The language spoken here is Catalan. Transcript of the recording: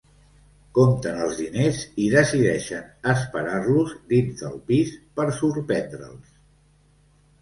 Compten els diners i decideixen esperar-los dins del pis per sorprendre'ls.